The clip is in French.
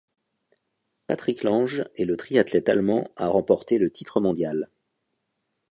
Patrick Lange est le triathlète allemand à remporter le titre mondial.